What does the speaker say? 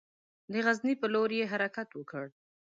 د غزني پر لور یې حرکت وکړ.